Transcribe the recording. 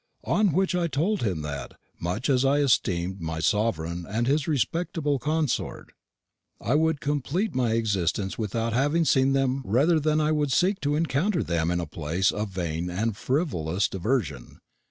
On which I told him that, much as I esteemed my sovereign and his respectable consort, I would compleat my existence without having seen them rather than I would seek to encounter them in a place of vain and frivolous diversion.